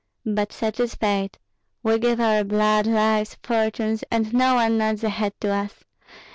But such is fate! We give our blood, lives, fortunes, and no one nods a head to us.